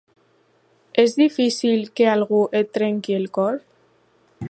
És difícil que algú et trenqui el cor?